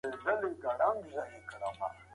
هغه د کتابونو ارزښت له سرو زرو سره پرتله کړ.